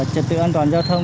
trật tự an toàn giao thông